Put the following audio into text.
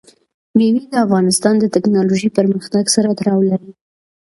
مېوې د افغانستان د تکنالوژۍ پرمختګ سره تړاو لري.